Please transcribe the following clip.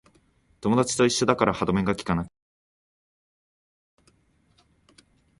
友達と一緒だから歯止めがきかなくなる